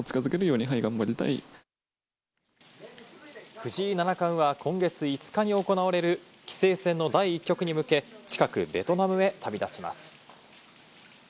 藤井七冠は今月５日に行われる棋聖戦の第１局に向け、近くベトナムへ旅立ちます。